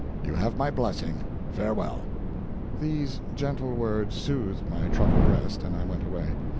You have my blessing. Farewell." These gentle words soothed my troubled breast, and I went away.